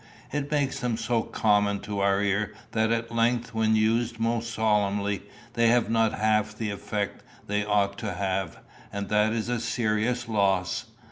It makes them so common to our ear that at length, when used most solemnly, they have not half the effect they ought to have, and that is a serious loss.